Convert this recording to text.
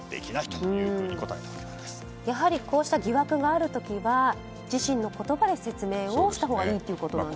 やはりこうした疑惑がある時は自身の言葉で説明をしたほうがいいということですよね。